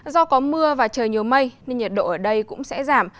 do có mưa và trời nhiều mây nên nhiệt độ ở đây cũng sẽ giảm